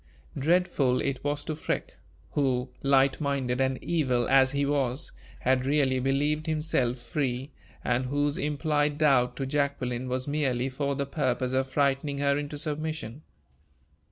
Dreadful it was to Freke, who, light minded and evil as he was, had really believed himself free, and whose implied doubt to Jacqueline was merely for the purpose of frightening her into submission.